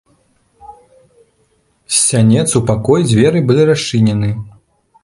З сянец у пакой дзверы былі расчынены.